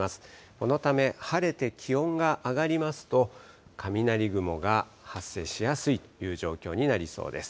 このため、晴れて気温が上がりますと、雷雲が発生しやすいという状況になりそうです。